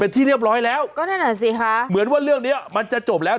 เป็นที่เรียบร้อยแล้วก็นั่นแหละสิคะเหมือนว่าเรื่องเนี้ยมันจะจบแล้ว